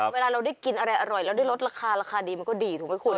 เวลาเราได้กินอะไรอร่อยเราได้ลดราคาราคาดีมันก็ดีถูกไหมคุณ